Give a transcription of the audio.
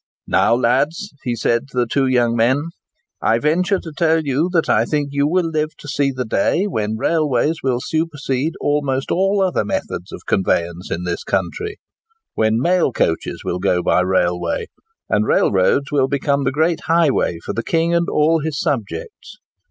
"Now, lads," said he to the two young men, "I venture to tell you that I think you will live to see the day when railways will supersede almost all other methods of conveyance in this country—when mail coaches will go by railway, and railroads will become the great highway for the king and all his subjects.